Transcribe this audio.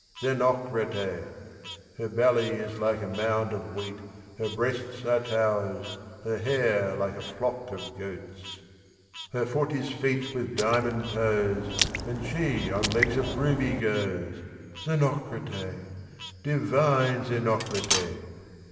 Xenocrate ! Her belly is like a mound of wheat, her breasts Are towers, her hair like a flock of goats. " Her foot is feat with diamond toes And she on legs of ruby goes. ..." Xenocrate, divine Xenocrate